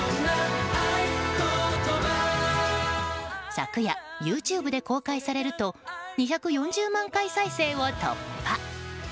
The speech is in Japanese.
昨夜、ＹｏｕＴｕｂｅで公開されると２４０万回再生を突破。